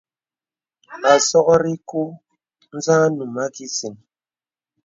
Àsɔkri kù za num a kísìn.